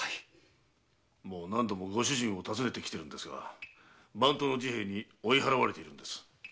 もう何度もご主人を訪ねてきてるんですが番頭の治兵衛に追い払われているんです。